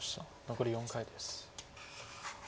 残り４回です。